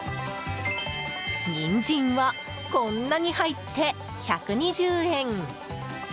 ニンジンはこんなに入って１２０円！